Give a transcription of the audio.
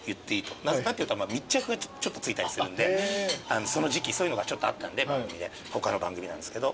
なぜかっていったら密着が付いたりするんでその時期そういうのがちょっとあったんで他の番組なんですけど。